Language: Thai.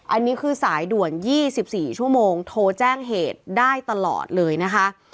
อันนี้คือสายด่วน๒๔ชั่วโมงโทรแจ้งเหตุได้ตลอดเลยนะคะ